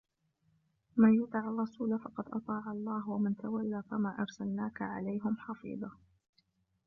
من يطع الرسول فقد أطاع الله ومن تولى فما أرسلناك عليهم حفيظا